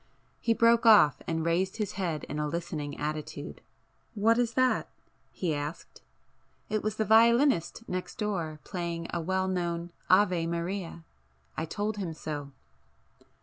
He broke off and raised his head in a listening attitude. "What is that?" he asked. It was the violinist next door playing a well known "Ave Maria." I told him so.